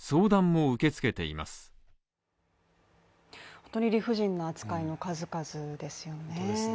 ほんとに理不尽な扱いの数々ですよね